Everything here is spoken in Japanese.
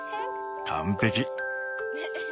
完璧。